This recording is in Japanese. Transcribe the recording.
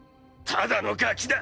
ただのガキだ！